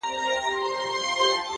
زحمت د موخو د رسېدو وسیله ده،